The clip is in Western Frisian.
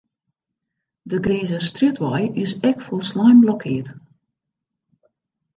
De Grinzerstrjitwei is ek folslein blokkeard.